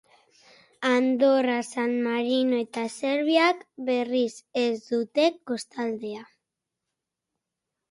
Andorra, San Marino eta Serbiak, berriz, ez dute kostaldea.